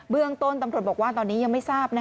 เรื่องต้นตำรวจบอกว่าตอนนี้ยังไม่ทราบ